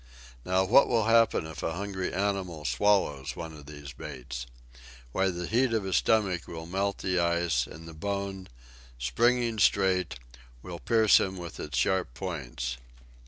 Now, what will happen if a hungry animal swallows one of these baits? Why, the heat of his stomach will melt the ice, and the bone, springing straight, will pierce him with its sharp points."